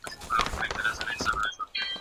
که مجسمه ماته شوې وای نو حقيقت به ښکاره شوی وای.